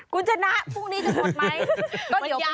คุณชนะพรุ่งนี้จะหมดไหม